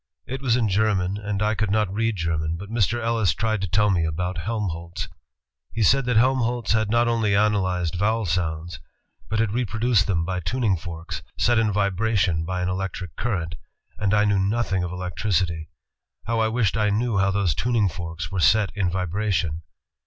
It was in German and I could not read German, but Mr. Ellis tried to tell me about Helmholtz. He said that ... Helmholtz had not only analyzed vowel sounds, but had reproduced them by tuning forks ... set in vibration by an electric current, ... and I knew nothing of electricity. How I wished I knew how those tuning forks were set in vibration!